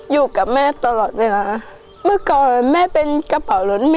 อยู่กับแม่ตลอดเลยนะ